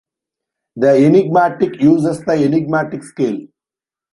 "The Enigmatic" uses the enigmatic scale.